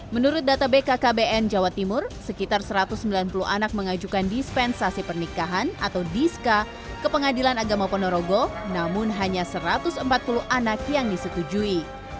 menurut data bkkbn jawa timur sekitar satu ratus sembilan puluh anak mengajukan dispensasi pernikahan atau diska ke pengadilan agama ponorogo namun hanya satu ratus empat puluh anak yang disetujui